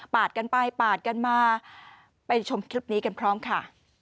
กันไปปาดกันมาไปชมคลิปนี้กันพร้อมค่ะ